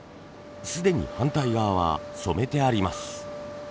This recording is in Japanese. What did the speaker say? すでに反対側は染めてあります。